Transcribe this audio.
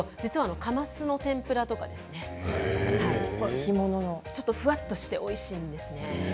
かますの天ぷらとかふわっとしておいしいですね。